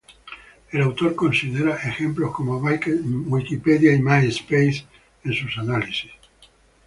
El autor considera ejemplos como Wikipedia y MySpace en su análisis.